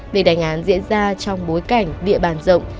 việc đánh án diễn ra trong bối cảnh địa bàn rộng